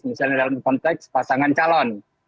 misalnya dalam konteks pasangan calon